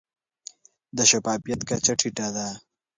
د شفافیت کچه ټیټه ده.